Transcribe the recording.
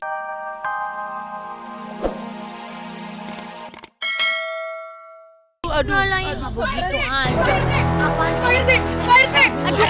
pak rt pak rt